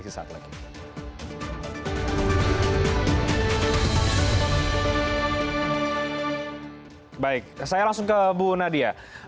baik saya langsung ke bu nadia